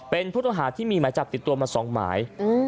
เป็นผู้ต้องหาที่มีหมายจับติดตัวมา๒หมาย